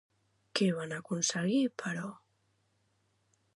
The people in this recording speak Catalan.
Què van aconseguir, però?